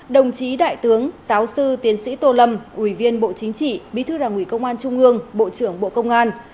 đồng chí đại tướng giáo sư tiến sĩ tô lâm ủy viên bộ chính trị bí thư đảng ủy công an trung ương bộ trưởng bộ công an